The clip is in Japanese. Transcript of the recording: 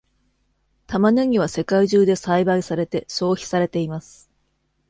タマネギは世界中で栽培されて消費されています。